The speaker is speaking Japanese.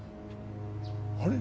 あれ？